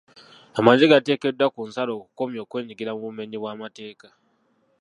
Amagye gaateekeddwa ku nsalo okukomya okwenyigira mu bumenyi bw'amateeka.